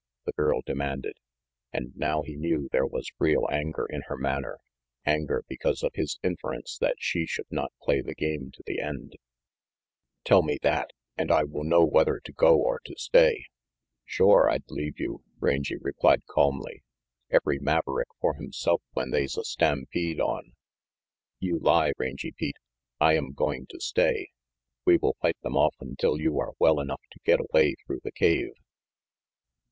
the girl demanded, and now he knew there was real anger in her manner, anger because of his inference that she should not play the game to the end. "Tell me 374 RANGY PETE that, and I will know whether to go or to stay. "Shore, I'd leave you," Rangy replied calmly. "Every maverick for himself when they's a stampede on" "You lie, Rangy Pete. I am going to stay. We will fight them off until you are well enough to get away through the cave."